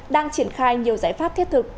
đang triển khai nhiều giải pháp thiết thực